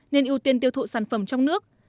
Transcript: nên ưu tiên tiêu thụ sản phẩm trong nước